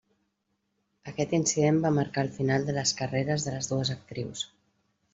Aquest incident va marcar el final de les carreres de les dues actrius.